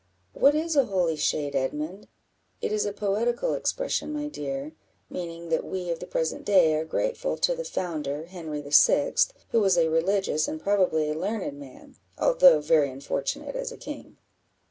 What is a holy shade, Edmund?" "It is a poetical expression, my dear, meaning that we of the present day are grateful to the founder, Henry the Sixth, who was a religious, and probably a learned man, although very unfortunate as a king."